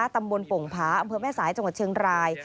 ตำบลโป่งผาอำเภอแม่สายจังหวัดเชียงราย